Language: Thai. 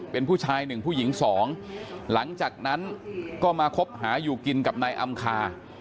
เป็นผู้ชายหนึ่งผู้หญิงสองหลังจากนั้นก็มาคบหาอยู่กินกับนายอำคา